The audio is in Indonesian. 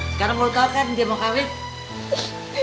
sekarang mau tau kan dia mau kahwin